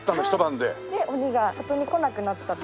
で鬼が里に来なくなったと。